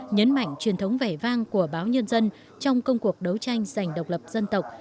nhấn mạnh truyền thống vẻ vang của báo nhân dân trong công cuộc đấu tranh giành độc lập dân tộc